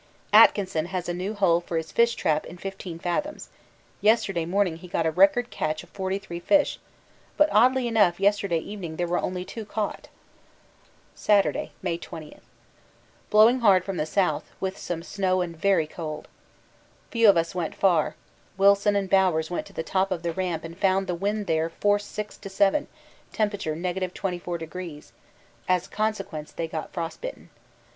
Atkinson has a new hole for his fish trap in 15 fathoms; yesterday morning he got a record catch of forty three fish, but oddly enough yesterday evening there were only two caught. Saturday, May 20. Blowing hard from the south, with some snow and very cold. Few of us went far; Wilson and Bowers went to the top of the Ramp and found the wind there force 6 to 7, temperature 24°; as a consequence they got frost bitten.